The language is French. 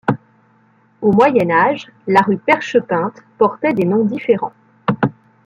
Au Moyen Âge, la rue Perchepinte portait des noms différents.